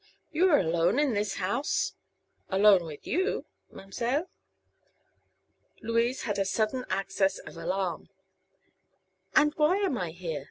"You are alone in this house?" "Alone with you, ma'm'seile." Louise had a sudden access of alarm. "And why am I here?"